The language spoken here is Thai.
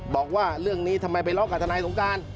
บอกว่าเรื่องนี้ทำไมไปร้องกับทนายสงการ